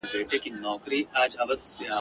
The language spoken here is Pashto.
رود یوازي هغه وخت په دې پوهیږي !.